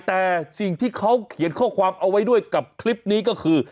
แต่สิ่งที่เขาเขียนข้อความเอาไว้ด้วยกับคลิปนี้ก็คือ